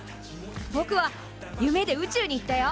ぼくは夢で宇宙に行ったよ。